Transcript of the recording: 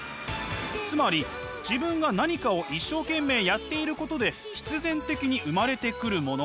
つまり自分が何かを一生懸命やっていることで必然的に生まれてくるもの